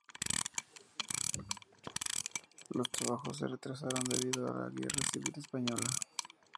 Los trabajos se retrasaron debido a la Guerra Civil Española.